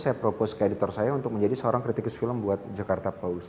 saya propos ke editor saya untuk menjadi seorang kritikus film buat jakarta post